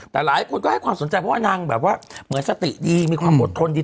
แต่หลายคนก็ให้ความสนใจเพราะว่านางแบบว่าเหมือนสติดีมีความอดทนดี